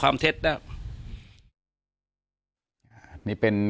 การแก้เคล็ดบางอย่างแค่นั้นเอง